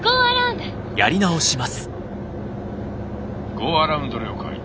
ゴーアラウンド了解。